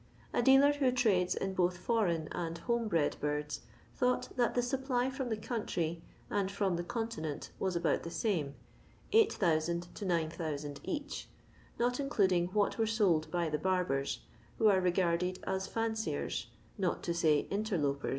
A dealer who trades in both foreign and home bred birds thought that the supply from the country, and from the Con tinent, was about the same, 8000 to 9000 each, not including what were sold by the barber*, who are regarded as " fisnciers," not to say interloper^.